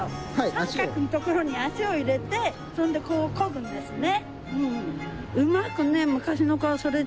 三角の所に足を入れてそれでこう漕ぐんですね。